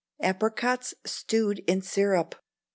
Apricots Stewed in Syrup.